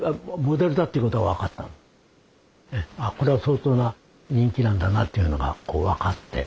でこれは相当な人気なんだなっていうのがこう分かって。